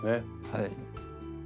はい。